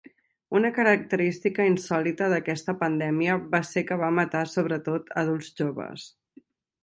Una característica insòlita d'aquesta pandèmia va ser que va matar sobretot adults joves.